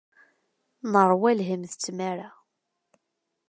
Neṛwa lhemm d tmara.